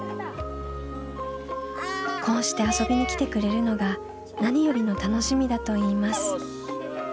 こうして遊びに来てくれるのが何よりの楽しみだといいます。